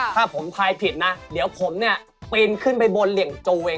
ถ้าผมทายผิดนะเดี๋ยวผมเนี่ย